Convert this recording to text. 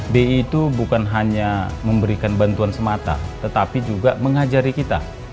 bi itu bukan hanya memberikan bantuan semata tetapi juga mengajari kita